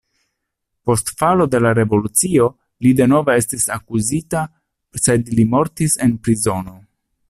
Post falo de la revolucio li denove estis akuzita, sed li mortis en prizono.